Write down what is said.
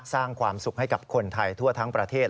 สร้างความสุขให้กับคนไทยทั่วทั้งประเทศ